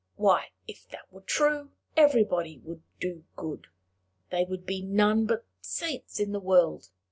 Why, if that were true, everybody would be good! There would be none but saints in the world!